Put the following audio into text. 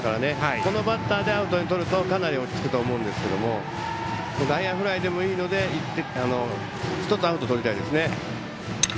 このバッターでアウトをとるとかなり落ち着くと思いますが外野フライでもいいので１つアウトをとりたいです。